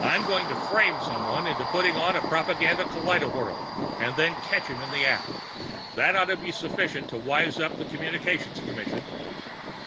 I'm going to frame someone into putting on a propaganda kaleidowhirl, and then catch him in the act. That ought to be sufficient to wise up the Communications Commission."